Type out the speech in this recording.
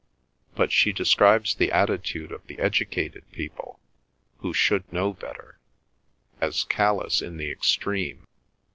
But she describes the attitude of the educated people—who should know better—as callous in the extreme.